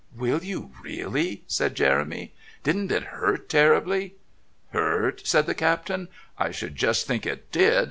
"Will you really?" said Jeremy. "Didn't it hurt terribly?" "Hurt!" said the Captain. "I should just think it did.